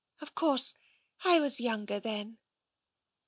Of course, I was younger, then."